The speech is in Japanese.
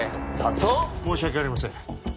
申し訳ありません。